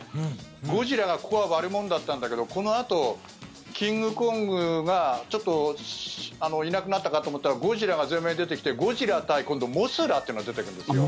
ゴジラがここは悪者だったんだけどこのあとキングコングがちょっといなくなったかと思ったらゴジラが前面に出てきてゴジラ対、今度モスラというのが出てくるんですよ。